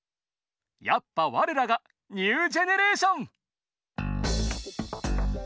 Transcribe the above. やっぱ我らがニュージェネレーション！」。